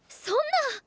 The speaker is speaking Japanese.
そんな！